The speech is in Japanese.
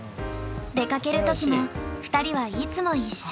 出かける時も２人はいつも一緒。